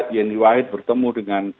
yeni wahid bertemu dengan